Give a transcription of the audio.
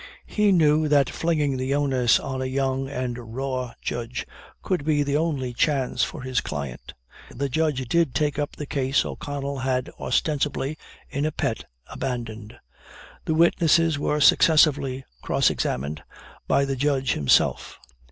He knew that flinging the onus on a young and a raw judge could be the only chance for his client. The judge did take up the case O'Connell had ostensibly, in a pet, abandoned. The witnesses were successively cross examined by the judge himself.